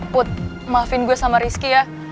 put maafin gue sama rizky ya